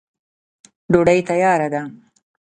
ډوډۍ تیاره ده.